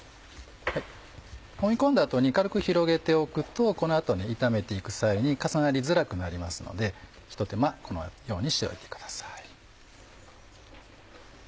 もみ込んだ後に軽く広げておくとこの後炒めて行く際に重なりづらくなりますのでひと手間このようにしておいてください。